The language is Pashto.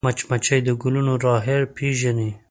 مچمچۍ د ګلونو رایحه پېژني